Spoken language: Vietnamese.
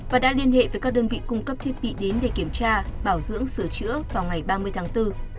và đã liên hệ với các đơn vị cung cấp thiết bị đến để kiểm tra bảo dưỡng sửa chữa vào ngày ba mươi tháng bốn